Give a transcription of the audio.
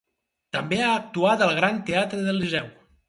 També ha actuat al Gran Teatre del Liceu.